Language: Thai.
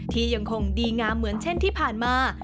ยังคงดีงามเหมือนเช่นที่ผ่านมา